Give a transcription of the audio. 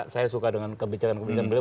saya suka dengan kebicaraan kebicaraan beliau